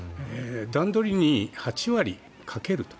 段取りに８割かけると。